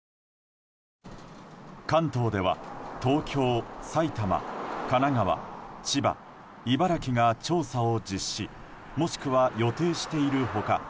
関東では東京、埼玉、神奈川千葉、茨城が調査を実施もしくは予定している他